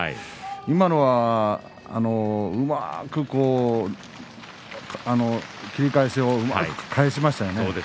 今のはうまく切り返しを返しましたね。